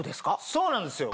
そうなんですよ。